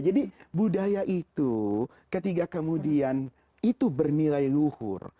jadi budaya itu ketika kemudian itu bernilai luhur